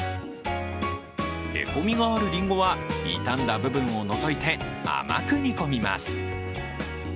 へこみがあるりんごは傷んだ部分を除いて、甘く煮込みます。